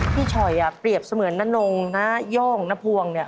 พี่ฉ่อยเปรียบเสมือนน้องน้าย่องน้าพวงเนี่ย